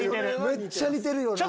めっちゃ似てるよな。